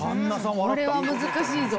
これは難しいぞ。